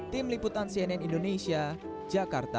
tim liputan cnn indonesia jakarta